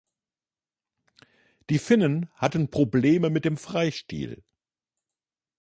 Die Finnen hatten Probleme mit dem Freistil.